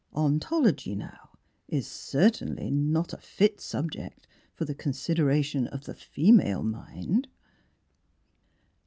'* On tology, now, is certainly not a fit subject for the 60 Miss Philura consideration of the female mind."